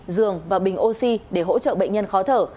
giường và bình oxy để hỗ trợ bệnh nhân khó thở